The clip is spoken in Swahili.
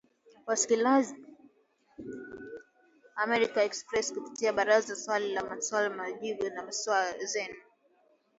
Wasikilizaji waendelea kushiriki moja kwa moja hasa katika matangazo yetu ya Sauti ya Amerika Express kupitia Barazani na Swali la Leo, Maswali na Majibu, na Salamu Zenu